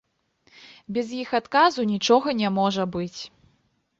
Без іх адказу нічога не можа быць.